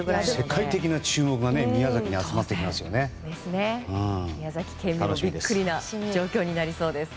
世界的な注目が宮崎に集まってきますね。